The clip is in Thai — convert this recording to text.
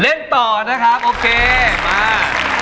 เล่นต่อนะครับโอเคมา